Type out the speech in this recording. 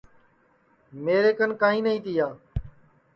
میرے کن کائیں نائی تیا